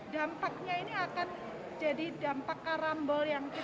dampaknya ini akan jadi dampak karambol yang